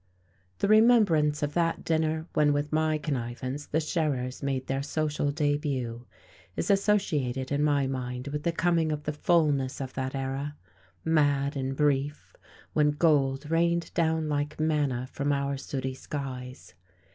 The remembrance of that dinner when with my connivance the Scherers made their social debut is associated in my mind with the coming of the fulness of that era, mad and brief, when gold rained down like manna from our sooty skies.